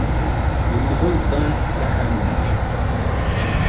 Yemdel Dan taḥanut.